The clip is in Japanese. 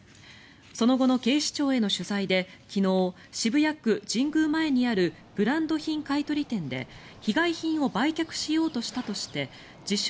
その後の警視庁への取材で昨日、渋谷区神宮前にあるブランド買い取り店で被害品を売却しようとしたとして自称